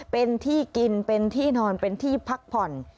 เป็นที่กินเป็นที่นอนเป็นที่พักผ่อน